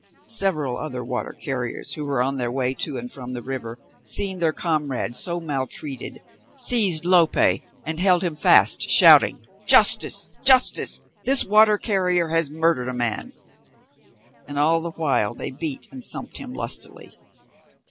Several other water carriers who were on their way to and from the river, seeing their comrade so maltreated, seized Lope and held him fast, shouting, "Justice! justice! this water carrier has murdered a man." And all the while they beat and thumped him lustily.